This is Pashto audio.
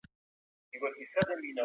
ایا تکړه پلورونکي پسته پروسس کوي؟